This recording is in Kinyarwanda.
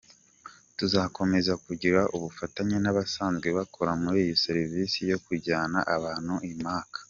Tuzakomeza kugira ubufatanye n’abasanzwe bakora muri iyi serivisi yo kujyana abantu i Maka.